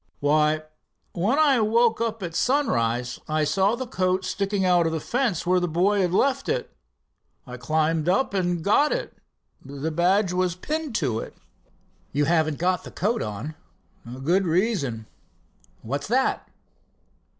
"Why, when I woke up at sunrise I saw the coat sticking on the fence where the boy had left it. I climbed up and got it. The badge was pinned to it." "You haven't got the coat on." "Good reason." "What's that?"